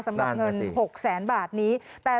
สำหรับเงิน๖๐๐๐๐๐บาทนี้